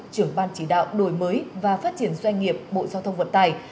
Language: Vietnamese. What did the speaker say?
trưởng ban chỉ đạo đổi mới và phát triển doanh nghiệp bộ giao thông vận tài